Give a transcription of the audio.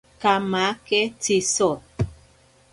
Kamake tziso.